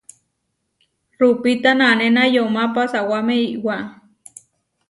Rupíta nanéna yomá pasawáme iʼwá.